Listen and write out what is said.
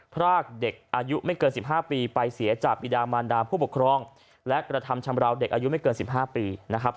พรากเด็กอายุไม่เกิน๑๕ปีไปเสียจากบิดามานดาผู้ปกครองและกระทำชำราวเด็กอายุไม่เกิน๑๕ปีนะครับ